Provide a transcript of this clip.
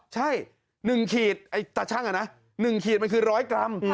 ใช่หนึ่งขีดแต่ช่างอ่ะนะหนึ่งขีดมันคือร้อยกรัม